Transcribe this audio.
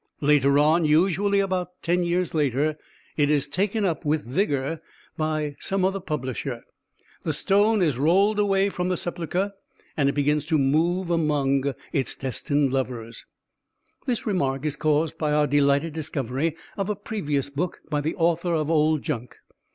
Later on usually about ten years later it is taken up with vigour by some other publisher, the stone is rolled away from the sepulchre, and it begins to move among its destined lovers. This remark is caused by our delighted discovery of a previous book by the author of "Old Junk."